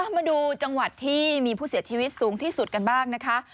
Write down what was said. มาดูจังหวัดที่มีผู้เสียชีวิตสูงที่สุดกันบ้างนะคะ